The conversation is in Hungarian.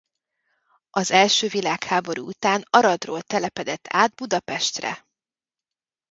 Az első világháború után Aradról telepedett át Budapestre.